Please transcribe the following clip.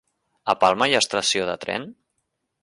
A Palma hi ha estació de tren?